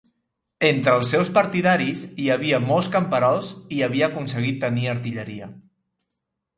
Entre els seus partidaris hi havia molts camperols i havia aconseguit tenir artilleria.